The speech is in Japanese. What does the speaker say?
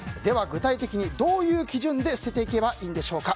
具体的にどういう基準で捨てていけばいいんでしょうか。